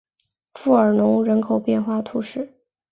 弗尔农人口变化图示